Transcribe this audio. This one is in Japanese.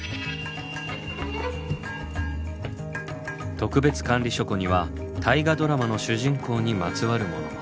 特別管理書庫には「大河ドラマ」の主人公にまつわるものも。